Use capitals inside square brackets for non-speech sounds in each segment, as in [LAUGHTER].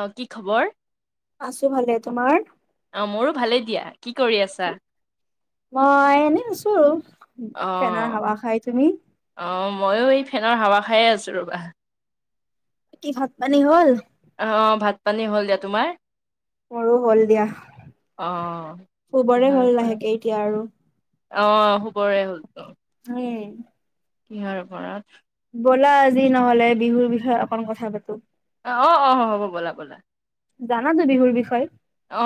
অ', কি খবৰ। আছো ভালে তোমাৰ। অ', মোৰো ভালে দিয়া। ঠিকে আছা। মই এনেই আছো আৰু অ ফেনৰ হাৱা খাই তুমি। মইয়ো এই ফেনৰ হাৱা খায়ে আছো ৰ'বা। কি ভাত পানী হ'ল। অ', ভাত পানী হ'ল দিয়া তোমাৰ। মোৰো হ'ল দিয়া, অ শুবৰে কিহৰ হ'ল ওপৰত? লাহেকে এতিয়া আৰু অ', শুবৰে হ'লতো। উম। কিহৰ উপৰত। ব'লা আজি নহ'লে বিহুৰ বিষয়ে অকণ কথা পাতো। অ' -অ', হ'ব ব'লা- ব'লা। জানাতো বিহুৰ বিষয়।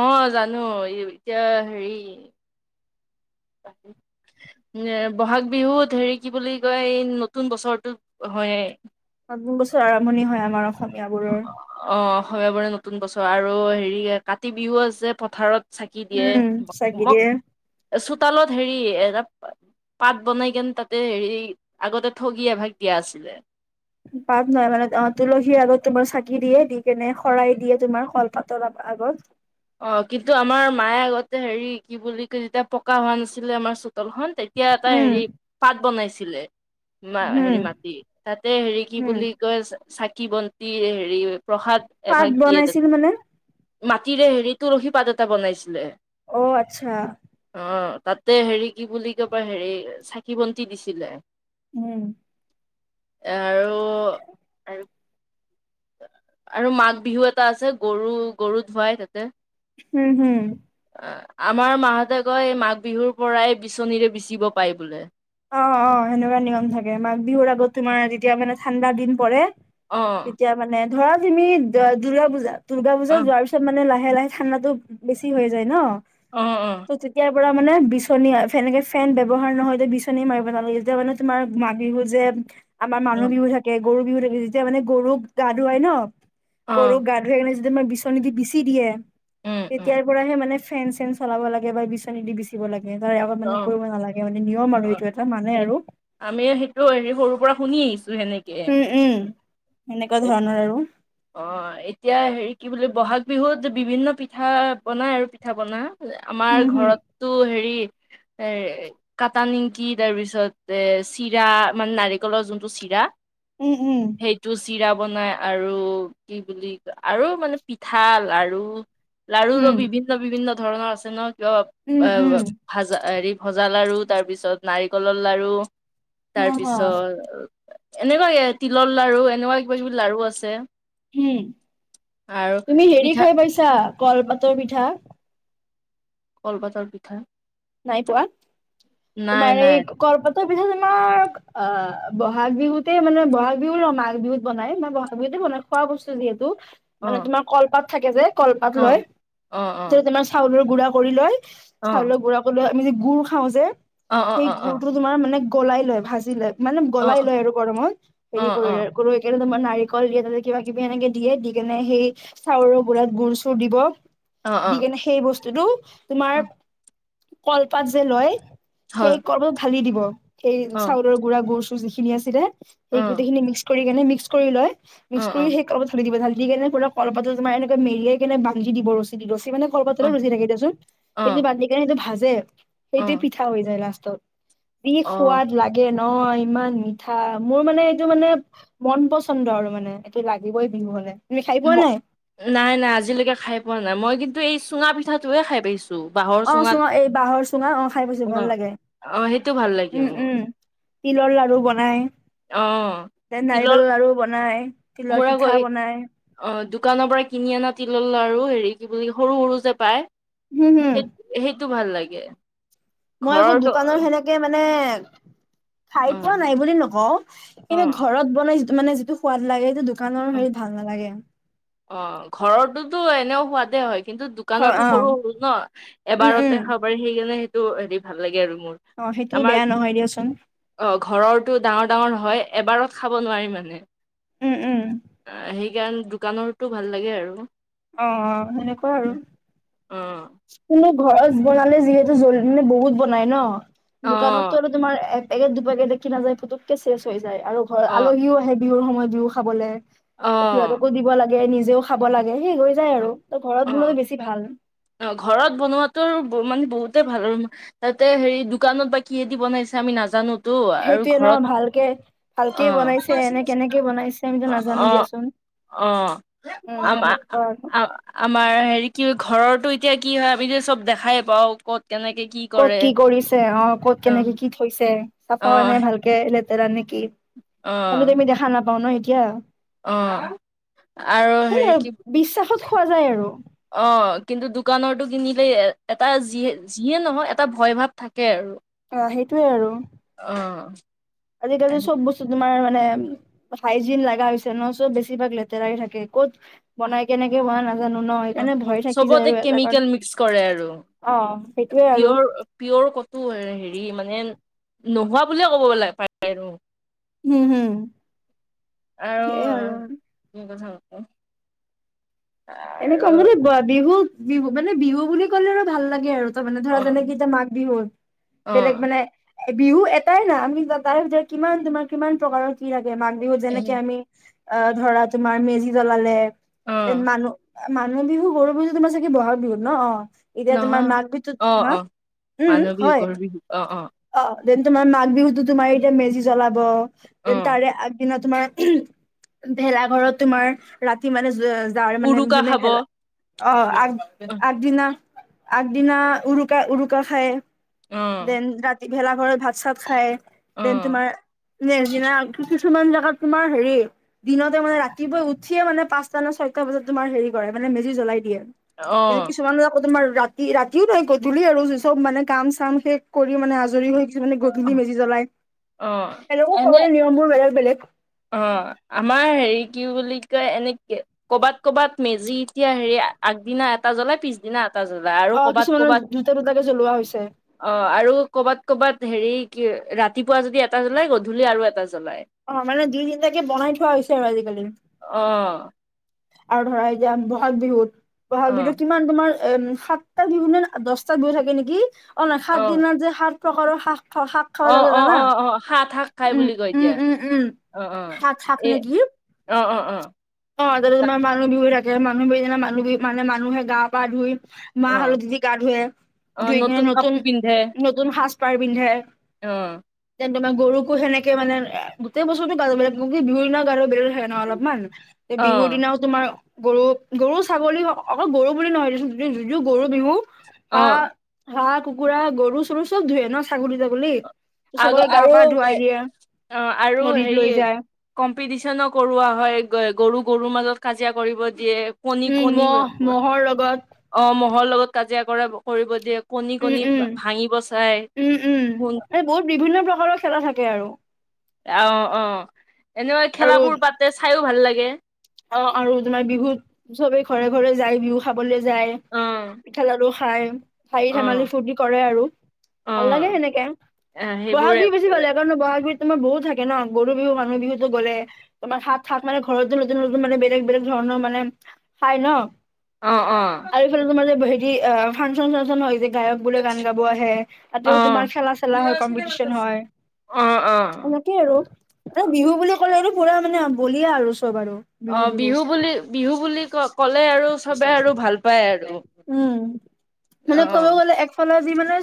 অ', জানো এতিয়া হেৰি এ বহাগ বিহুত হেৰি কি বুলি কয় এই নতুন বছৰটোত হয়। নতুন বছৰ আৰম্ভণি হয় আমাৰো অ', হয় [UNINTELLIGIBLE] নতুন বছৰ আৰু হেৰি কাতি বিহু আছে পথাৰত চাকি দিয়ে উম চাকি মোক দিয়ে চোতালত হেৰি এটা পাত বনাই কেনে তাতে হেৰি আগতে ঠগি এভাগ দিয়া আছিলে। পাত নহয় মানে অ' তুলসী আগত তোমাৰ চাকি দিয়ে দি কেনে শৰাই দিয়ে তোমাৰ শল পাতৰ ৰ'বা আগত। অ' কিন্তু আমাৰ মায়ে আগতে হেৰি কি বুলি কয় যেতিয়া পকা হোৱা নাছিলে আমাৰ চোতালখন তে এতিয়া এটা উম হেৰি পাত বনাইছিলে মা হুম হেৰি মাটি তাতে হেৰি কি হুম বুলি কয় চাকি বন্তি হেৰি প্ৰসাদ পাত এভাগ দিয়ে তাত, বনাইছিল মানে মাটিৰে হেৰি তুলসী পাত এটা বনাইছিলে। অ' আচ্ছা। অ' তাতে হেৰি কি বুলি ক'বা হেৰি চাকি বন্তি দিছিলে। উম। আৰু আৰু মাঘ বিহু এটা আছে গৰু- গৰু ধুৱাই তাতে। হম- হম। আমাৰ মাহতে কয় এই মাঘ বিহুৰ পৰাই বিচনীৰে বিচিব পায় বোলে। অ'-অ' সেনেকুৱা নিয়ম থাকে, মাঘ বিহুৰ আগত তোমাৰ যেতিয়া মানে ঠাণ্ডাৰ দিন পৰে। অ', তেতিয়া মানে ধৰা তুমি দুৰ্গা পুজা, দুৰ্গা পুজা অ', যোৱাৰ পিছত মানে লাহে [UNINTELLIGIBLE] লাহে- লাহে ঠাণ্ডাটো বেছি হৈ যায় ন। অ'- অ'। পোৰা মানে বিচনী আৰু, যেনেকে ফেন ব্যৱহাৰ নহয় তে বিচ নী মাৰিব নালাগে যেতিয়া মানে তোমাৰ মাঘ বিহু যে আমাৰ মানুহ অ', বিহু থাকে গৰু বিহু থাকে, যেতিয়া মানে গৰুক গা ধুৱাই ন গৰুক অ', গা ধুৱাই কিনে [UNINTELLIGIBLE] ম বিচনী দি বিচি দিয়ে। উম, উম, তেতিয়াৰ পৰাহে মানে ফেন চেন চলাব লাগে বা বিচনী দি বিচিব লাগে। ত আগত মানে অ', কৰিব নালাগে মানে নিয়ম আৰু। অ', এইটো এটা মানে সেই আৰু আমি সেইটো হেৰি সৰু পৰা শুনি আহিছো। সেনেকে। উম উম এনেকুৱা ধৰণৰ আৰু। অ এতিয়া হেৰি কি বুলিো বহাগ বিহুত বিভিন্ন পিঠা বনাই আৰু পিঠা বনা। উম আমাৰ হুম ঘৰতটো হেৰি। এ কাটা নিংকি তাৰ পিছত এ চিৰা মানে নাৰিকলৰ যোনটো চিৰা। উম উম [UNINTELLIGIBLE] সেইটো চিৰা বনাই আৰু। কি বুলি কয় আৰু মানে পিঠা লাৰু লাৰুৰো উম বিভিন্ন বিভিন্ন। ধৰণৰ আছে ন কিয় উম অ উম ভাজা হেৰি। ভজা লাৰু তাৰপিছত নাৰিকলৰ লাৰু হ হ তাৰপিছত। এনেকুৱাকে তিলৰ লাৰ়ু এনেকুৱা কিবা কিবি লাড়ু আছে। হম আৰু তুমি হেৰি পিঠা খাই পাইছা কলপাতৰ পিঠা। কল বাজাৰ পিঠা। নাই পোৱা নাই তোমাৰ এই নাই কপাতৰ পিঠা তোমাৰ। অ ব'হাগ বিহুতে মানে বহাগ বিহু ল মাঘ বিহুত বনাই মানে বহাগ বিহুতে বনাই খোৱা বস্তু যিহেতু। [UNINTELLIGIBLE] অ মানে তোমাৰ কলপাত থাকে যে কলপাত অ লয় অ অ ত তোমাৰ চাউলৰ গুড়া কৰি লয়। [UNINTELLIGIBLE] অ চাউলৰ গুডৰা ক আমি যে গু় খাও যে অ অ সেই অ অ গুুৰতটো তোমাৰ মানে। [UNINTELLIGIBLE] গলাই লয় ভাজি লয় মানে অ গলাই লয় আৰু গৰমত অ অ হেৰি অ কৰি গণ তোমাৰ। নাৰিকল দিয়া তাতে কিবা কিবি এনেকে দিয়ে দি কেনে সেই চাউৰ গুড়াত গুুৰ চুৰ দিব। [UNINTELLIGIBLE] অ দি কেনে সেই বস্তুটো তোমাৰ কলপাত যে লয়। সেই হয় কৰ্ম ভালি দিব সেই অ চাউলৰ গুড়া গৰু চু যিখিনি আছিলে। [UNINTELLIGIBLE] অ সেই অ গোটেইখিনি মিক্স কৰি কেনে মিক্স কৰি লয় মিক্স অ কৰি সেই অলপ ধল দিব ভাল। [UNINTELLIGIBLE] দি কেনে পুৰা কলপাত তোমাৰ এনেকে মেলিয়াই কেনে ভাঙি দিব ৰছী দি ৰছীমানে। [UNINTELLIGIBLE] খৰ পাতলো ৰচি থাকে দেিয়চোন অ সেই বান্ধিনে সেইটো ভাজে অ সেইটোৱে পিঠা হৈ যায় লাষ্ট। বিষ অ সোৱাদ লাগে ন। অ ইমান মিঠা মোৰ মানে এইটো মানে মন পচন্দ আৰু মানে এইটো লাগিবই বিহু হলে। [UNINTELLIGIBLE] নাই নাই নাই আজিলৈকে খাই পোৱা নাই মই কিন্তু এই চুঙা পিঠাটোয়ে খাই পাইছো। বাঁহৰ অ চুঙাত চুঙ এই বাঁহৰ চুঙা অ খাই পাইছো ভাল লাগে। অ সেইটো ভাল লাগে উম মোৰ। উম তিলৰ লাৰু বনাই অ দেন তিলৰ নাৰিকলৰ লাৰু বনায়। মোৰ আকৌ অ দোকানৰ পৰা কিনি অনা তিল লল আৰু হেৰি। কি বুলি সৰু সৰু যে পায় হম হম সেই সেইটো ভাল লাগে। [UNINTELLIGIBLE] মই আকৌ ঘৰৰটো দোকানৰ সেনেকে মানে। অ খাই পোৱা নাই বুলি নকওঁ অ কিন্তু ঘৰত বনাই যিটো মানে যিটো সোৱাদ লাগে সেইটো দুখ। উম, অ'! ঘৰতোটো এনেও সোৱাদে হয়। কিন্তু, হয় দোকানতো অ সৰু, সৰু ন'? উম উম এবাৰতে খাব পাৰি সেইকাৰণে। টো হেৰি ভাল লাগে আৰু মোৰ। অ সেইটোও আমাৰ বেয়া নহয় দিয়াচোন অ'! ঘৰৰটো ডাঙৰ ডাঙৰ হয়। এবাৰত খাব নোৱাৰি মানে। উম উম সেইকাৰণে, দোকানৰটো ভাল লাগে আৰু। অ'! অ'! সেনেকুৱা আৰু। অ', কোনো ঘৰত বনালে যিহেতু, [UNINTELLIGIBLE] বহুত বনাই ন' অ', দোকানতো আৰু তোমাৰ এক পেকেট, দুপেকেট দেখি নাযায়। পোতোককে চেচ হৈ যায় আৰু ঘৰত অ', আলহীও আহে বিহুৰ সময়ত, বিহু খাবলৈ। অ', সিহঁতকো দিব লাগে, নিজেও খাব লাগে। সেই, হৈ যায় আৰু ত' ঘৰত অ', বনোৱাটো বেছি ভাল। অ'! ঘৰত বনোৱাটোৰ মানে, বহুতেই ভাল আৰু তাতে হেৰি দোকানত বা কিহেদি বনাইছে। আ আমি নাজানোঁ। টো আৰু সেইটোয়ে ন ঘৰত। ভালকে ভালকে বনাইছে অ'! এনে কেনেকে বনাইছে আমিতো নাজানো অ'! দিয়াচোন অ'! উম আম সেনেকুৱা আৰু আমাৰ হেৰি কি, ঘৰত টো এতিয়া কি হয়। আমি যে চব দেখাই পাওঁ ক'ত কেনেকে কৰে ক'ত কি কৰিছে অ'! ক'ত অ', কেনেকে, কি থৈছে, চাফা হয় নাই, অ', ভালকে লেতেৰা নে কি? আমি অ', ত' দেখা নাপাওঁ ন' এতিয়া। অ', আৰু হেৰি সেই, কি বিশ্বাসত খোৱা যায় আৰু। অ'! কিন্তু, দোকানৰ কিনিলে, এ এটা যি, যিয়ে নহওঁক, এটা ভয় ভাৱ থাক কে আৰু। অ সেইটোয়ে আৰু অ'! আজিকালি চব বস্তু তোমাৰ মানে, হাইজিন লগা হৈছে ন', চব বেছিভাগ লেতেৰা থাকে। ক'ত বনাই, কেনেকে বনাই নাজানোঁ। চবতে কেমিকেল মিক্স কৰে আৰু। অ সেইটোয়ে আৰু পিয়ৰ, পিয়ৰ, ক'তো হেৰি মানে নোহোৱা বুলিয়ে ক'ব পাৰি আৰু। উম! উম! আৰু কি কথা ক এনেকুৱা মানে, বিহু বিহু মানে, বিহু বুলি ক'লে আৰু ভাল লাগে আৰু। মানে ধৰা, অ', যেনেক এতিয়া মাঘ বিহুত, বেলেগ অ', মানে বিহু এটাই না। আমি তাৰে ভিতৰত কিমান, তোমাৰ কিমান প্ৰকাৰৰ কি ৰা মাঘ বিহুত এ যেনেকে আমি, অ'! ধৰা, তোমাৰ মেজি জ্বলালে অ', মানুহ মানুহ বিহু, গৰু বিহু তোমাৰ চাগে বহাগ বিহুত ন'? অ'! এতিয়া তোমাৰ নহয় মাঘ বিহুটোত অ', হা! অ', উম! মানুহ বিহু, হয়। গৰু বিহু অ', অ'! দেন তোমাৰ মাঘ বিহুতো, তোমাৰ এতিয়া মেজি জ্বলাব, দেন অ', তাৰে আগদিনত তোমাৰ, ভেলাঘৰত তোমাৰ, ৰাতি মানে যাৰ মানে উৰুকা যোনে, খাব। ভেলা অ', অ'! আগ আগদিনা আগদিনা উৰুকা, উৰুকা খায়। অ', দেন ৰাতি ভেলাঘৰত ভাত চাত খায়। দেন অ', তোমাৰ [UNINTELLIGIBLE] কিছুমান জেগাত তোমাৰ হেৰি দিনতে মানে, ৰাতিপুৱাই উঠিয়ে মানে পাঁচটা নে ছয় টান বজাত তোমাৰ হেৰি কৰে। মানে, মেজি জ্বলাই দিয়ে। কিন্তু, অ', কিছুমান তোমাৰ ৰাতি, ৰাতিও নহয়। গধূলি আৰু চব মানে, কাম চাম শেষ কৰি মানে, আজৰি হৈ। কিছুমানে গধূলি মেজি জ্বলাই। অ', সেনেকো এনে সকলৰে নিয়ম বোৰ বেলেগ বেলেগ। অ'! আমাৰ হেৰি, কি বুলি কয়! এনেকে ক'ৰবাত ক'ৰবাত মেজি, এতিয়া হেৰি আগদিনা এটা জ্বলাই। পিছদিনা তাৰ পিছত আৰু অ কৰ'বাত কিছুমানৰ কৰ'বাত দুটা দুটাকে জ্বলোৱা হৈছে অ'! আৰু কৰ'বাত, কৰ'বাত হেৰি কি ৰাতিপুৱা যদি এটা জ্বলাই, গধূলি আৰু এটা জ্বলাই অ'! মানে, দুই তিনিটাকে বনাই থোৱা হৈছে আৰু আজিকালি। অ'! আৰু ধৰা এতিয়া বহাগ বিহুত, বহাগ অ বিহুত কিমান তোমাৰ এই সাতটা বিহু নে, দহটা বিহু থাকে নেকি! অ'! সাত দিনত যে, সাত প্ৰকাৰৰ সা [UNINTELLIGIBLE] শাক খাব অ লাগে অ জানা? অ অ সাত শাক খাই উম! বুলি কয় উম! এতিয়া উম! উম! অ অ শাকচাক এ নেকি? অ', অ'। অ অ', তাতে তোৰ মানুহ বিহু থাকে, মানুহ বিহু দিনা মানুহ বিহু মানে মানুহে গা পা ধুই অ মাহ, হালধি দি গা ধুৱে অ ধুই কিনে নতুন, কাপোৰ পিন্ধে নতুন সাজ পাৰ পিন্ধে। অ'। তেন তোমাৰ গৰুকোনেকে মানে গোটেই বছৰতো গাজ ব লাগ কি বিহুৰ দিনা গা ধোৱা আৰু বেলেগ থাকে ন অলপমান। অ বিহুৰ দিনাও তোমাৰ গৰু -গৰু, ছাগলী অকল গৰু বুলি নহয় য যোৰ গৰু বিহু অ হাঁ হাঁহ, কুকুৰা, গৰু চৰু চব ধোৱে ন ছাগলী- তাগলী। আগৰ চবকে গা আৰু পা অ', ধুৱাই দিয়ে আৰু নদীত লৈ হেৰি যায় কম্পিটিচনো কৰোৱা হয় গৰুক। গৰুৰ মাজত কাজিয়া কৰিব দিয়ে, কণী, উম কণী মহ মহৰ লগত অ'। ঘৰ লগত কাজিয়া কৰা কৰিব দিয়ে কণী উম কণী উম ভাঙিব চাই ক। মান বহুত বিভিন্ন প্ৰকাৰৰ খেলা থাকে আৰু অ', অ' এনেকা আৰু খেলাবোৰ পাতে চাইৰো ভাল লাগে। অ', আৰু তোমাৰ বিহুত চবে ঘৰে ঘৰে যাই বিহু খাবলে যায় অ পিঠা লাৰু খাই খাৰি অ ধেমালি ফূৰ্তি কৰে আৰু অ ভাল লাগে সেনেকে এ সেইবোৰে বহাগ বিহু ভাল বেছিলাগে লাগে কাৰণ বহাগ বিহু তোমাৰ বহুত থাকে ন গৰু বিহু মানুহ বিহুত গলে তোমাৰ সাত শাত মানে ঘৰতো। নতুন নতুন মানে বেলেগ বেলেগ ধৰণৰ মানে খাই ন অহ অহ আৰু এইফালে তোমাৰ যে হেৰি ফাংচন চাংচন হয় যে গায়ক বোলে গান গাব আহে ততে অ তোমাৰ খেলা চেলা হয় কম্পিটিশন হয়। অ অ এনেকেই আৰু এ বিহু বুলি ক'লে আৰু পুৰা মানে বলিয়া আৰু চব আৰু অ বিহু বুলি বিহু বুলি ক ক'লে আৰু চবে আৰু ভাল পায় আৰ। উম মানে ক'ব গ'লে একফালে যি মানে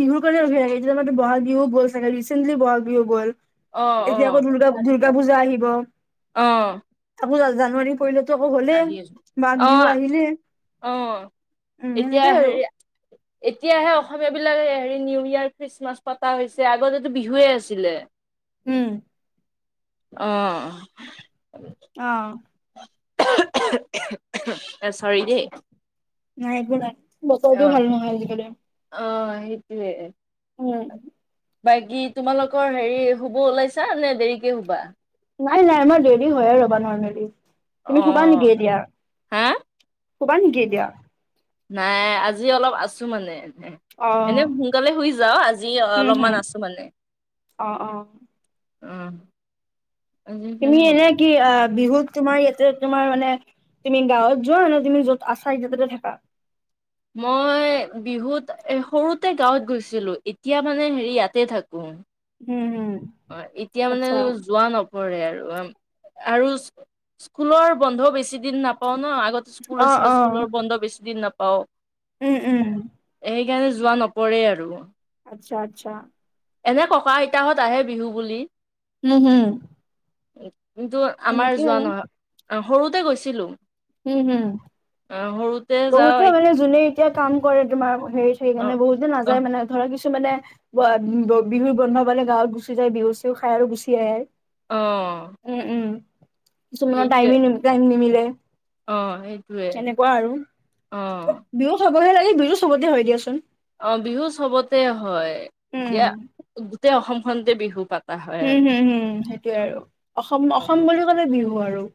বিহুৰ কাৰণে ৰখি থাকে এতিয়া মানে বহাগ বিহু গ'ল চাগে ৰিচেণ্টলী বিহু গ'ল। অ এতিয়া আকৌ দুৰ্গা দুৰ্গা পূজা আহিব। অ অ আকৌ জানুৱাৰী পৈলত হলে আহি আছো। মাঘ অ বিহু আহিলে অ উম এতিয়া সেনেকে আৰু হেৰি এতিয়াহে অসমীয়া বিলাক হেৰি নিউ ইয়াৰ খ্ৰীষ্টমাছ পতা হৈছে আগতেটো বিহুৱে আছিলে। উম অ অহ চৰি দেই নাই একো নাই অ বতাৰটোও ভাল নহয় আজিকালি অ সেইটোৱে উম বাকী তোমালোকৰ হেৰি শুব ওলাইছা নে দেৰিকে শুবা। নাই নাই আমাৰ দেৰি হয়ে ৰবা নৰ্মেলি তুমি অ শুবা নেকি এতিয়া। হা শুবা নেকি এতিয়া। নাই আজি অলপ আছো মানে অ এনে সোনকালে শুই যাও আজি উম অলপমান হম আছো মানে। অ অ আহ তুমি এনে কি বিহুত তোমাৰ ইয়াতে তোমাৰ মানে তুমি গাঁৱত যোৱা নে তুমি য'ত আছা এই তাতে থাকা। মই বিহুত এ সৰুতে গাঁৱত গৈছিলো এতিয়া মানে হেৰি ইয়াতে থাকোং। উম হুম অ এতিয়া মানে যোৱা নপৰে আৰু হম আৰু স্কুলৰ বন্ধ বেছি- দিন নাপাও ন আগতে স্কুল অ অ আছিলে স্কুলৰ বন্ধ বেছি দিন নাপাওঁ। উম উম। সেইকাৰণে যোৱা নপৰে আৰু। আচ্ছা আচ্ছা। এনে ককা ইতাহঁত আহে বিহু বুলি। হম হম। কিন্তু আমাৰ সেনেকেই যোৱা আৰু নহয় সৰুতে গৈছিলো। উম হম। আহ সৰুতে যাওঁ বহুতে মানে যোনে এতিয়া কাম কৰে তোমাৰ হেৰি সাকৰি অ কাৰণে বহুতে অ নাযায় মানে ধৰা কিছু। মানে বিহুৰ বন্ধ মানে গাঁৱত গুচি যায় বিহু চিহু খাই আৰু গুচি আহ আৰু। আহ। ন টাইম টাইম ন মিলে। আহ সেইটোৱে অ। চবহে লাগে বিহুো চবতে হৈ দিয়াচোন। অ বিহু চবতে হয়, এতিয়া উম গোটেই অসমখনতে বিহু পাত। হম হম হম সেইটোৱেই আৰু অসম অসম আৰু বুলি ক'লে বিহু আৰু।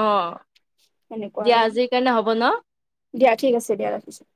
অ সেনেকুৱা দিয়া আৰু আজিৰ কাৰণে হ'ব ন। দিয়া ঠিক আছে দিয়া ৰাখিছোঁ।